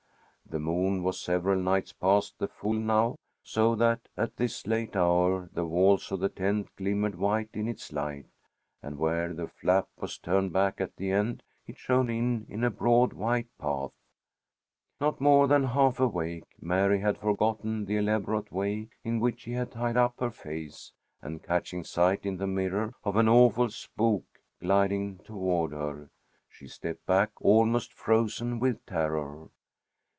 The moon was several nights past the full now, so that at this late hour the walls of the tent glimmered white in its light, and where the flap was turned back at the end, it shone in, in a broad white path. Not more than half awake, Mary had forgotten the elaborate way in which she had tied up her face, and catching sight in the mirror of an awful spook gliding toward her, she stepped back, almost frozen with terror.